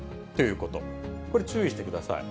これ、注意してください。